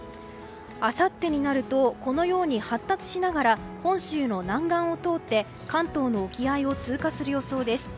あさってになるとこのように発達しながら本州の南岸を通って関東の沖合を通過する予想です。